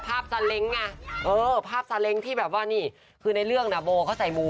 ภาพซาเล้งอ่ะภาพซาเล้งที่แบบว่านี่คือในเรื่องนะโบ๊ะเขาใส่มัว